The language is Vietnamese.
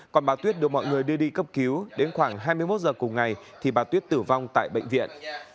còn bà tuyết được mọi người đưa đi cấp cứu đến khoảng hai mươi một giờ cùng ngày thì bà tuyết tử vong tại bệnh viện